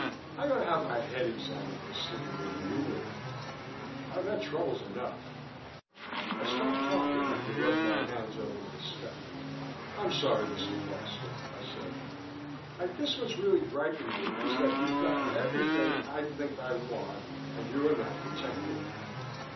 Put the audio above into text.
I ought to have my head examined for sitting here humoring you. I've got troubles enough " I stopped talking and rubbed my hands over my scalp. "I'm sorry, Mr. Foster," I said. "I guess what's really griping me is that you've got everything I think I want and you're not content with it.